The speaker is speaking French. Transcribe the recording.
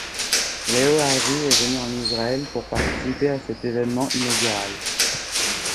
Leo Harvey est venu en Israël pour participer à cet événement inaugural.